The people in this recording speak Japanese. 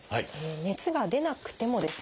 熱が出なくてもですね